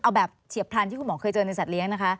เอาแบบเฉียบพันที่คุณหมอเคยเจอนในสัตว์หลี